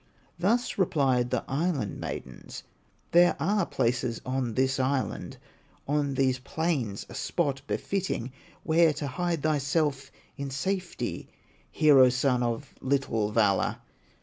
Thus replied the Island maidens: "There are places on this island, On these plains a spot befitting, Where to hide thyself in safety, Hero son of little valor.